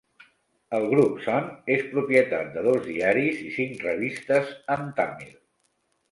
El grup Sun és propietat de dos diaris i cinc revistes en tàmil.